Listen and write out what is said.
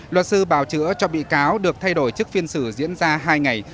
luật sư bào chữa cho bị cáo được thay đổi trước phiên xử diễn ra hai ngày